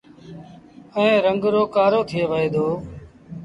ائيٚݩ رنگ رو ڪآرو ٿئي وهي دو۔